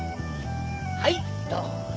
はいどうぞ。